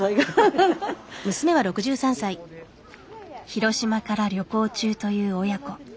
広島から旅行中という親子。